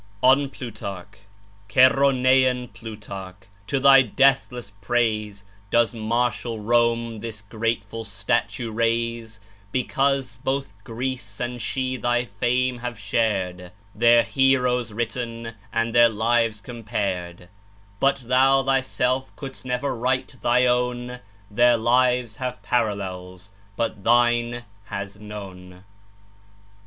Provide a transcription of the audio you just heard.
ON PLUTARCH Cheronean Plutarch, to thy deathless praise Does martial Rome this grateful statue raise; Because both Greece and she thy fame have shar'd (Their heroes written, and their lives compar'd); But thou thyself could'st never write thy own: Their lives have parallels, but thine has none.